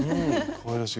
かわいらしい。